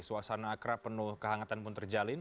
suasana akrab penuh kehangatan pun terjalin